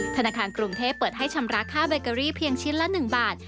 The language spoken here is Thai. ธนาคารกรุงเทพเปิดให้ชำระค่าแบเกอรี่เพียงชิ้นละ๑บาท